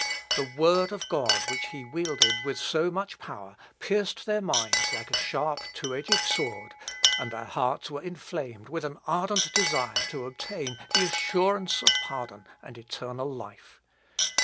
The word of God, which he wielded with so much power, pierced their minds like a sharp two edged sword; and their hearts were inflamed with an ardent desire to obtain the assurance of pardon and eternal life.